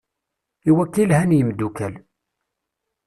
I wakka i lhan yemdukal.